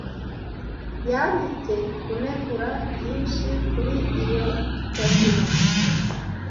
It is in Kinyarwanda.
Yanditse kunegura byinshi kuri iyo gakino.